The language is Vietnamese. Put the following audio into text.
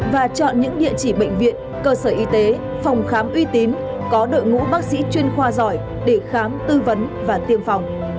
và chọn những địa chỉ bệnh viện cơ sở y tế phòng khám uy tín có đội ngũ bác sĩ chuyên khoa giỏi để khám tư vấn và tiêm phòng